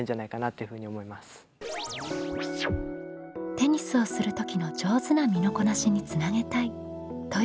「テニスをする時の上手な身のこなしにつなげたい」というはるなさん。